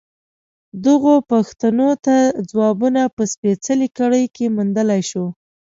دغو پوښتنو ته ځوابونه په سپېڅلې کړۍ کې موندلای شو.